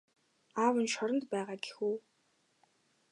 Аав нь шоронд байгаа гэх үү?